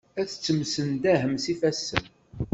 Ad temsenḍaḥem s ifassen.